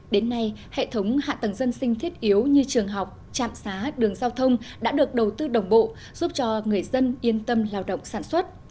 đến nay hệ thống hạ tầng dân sinh thiết yếu như trường học trạm xá đường giao thông đã được đầu tư đồng bộ giúp cho người dân yên tâm lao động sản xuất